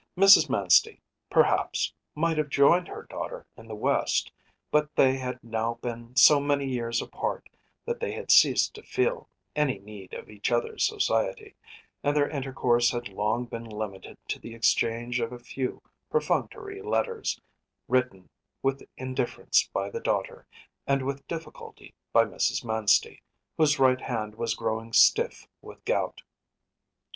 Mrs. Manstey, perhaps, might have joined her daughter in the West, but they had now been so many years apart that they had ceased to feel any need of each other’s society, and their intercourse had long been limited to the exchange of a few perfunctory letters, written with indifference by the daughter, and with difficulty by Mrs. Manstey, whose right hand was growing stiff with gout.